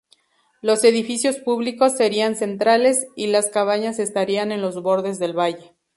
Los edificios públicos serían centrales, y las cabañas estarían en los bordes del valle.